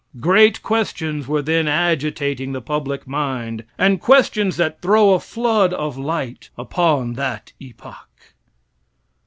Great questions were then agitating the public mind, questions that throw a flood of light upon that epoch.